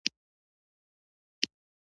منډه د ژوندي موجوداتو طبیعت ښيي